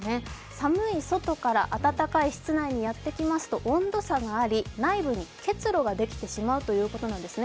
寒い外から暖かい室内にやってきますと温度差があり内部に結露ができてしまうということなんですね。